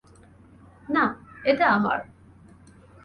না, এটা আমার।